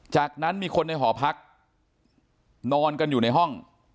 จากนั้นมีคนในหอพักนอนกันอยู่ในห้อง